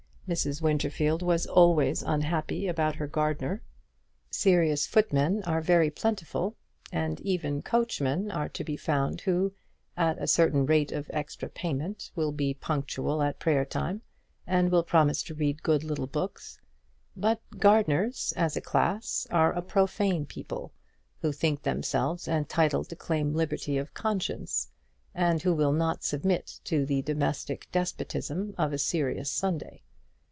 Mrs. Winterfield was always unhappy about her gardener. Serious footmen are very plentiful, and even coachmen are to be found who, at a certain rate of extra payment, will be punctual at prayer time, and will promise to read good little books; but gardeners, as a class, are a profane people, who think themselves entitled to claim liberty of conscience, and who will not submit to the domestic despotism of a serious Sunday.